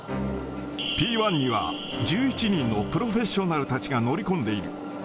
Ｐー１には、１１人のプロフェッショナルたちが乗り込んでいる。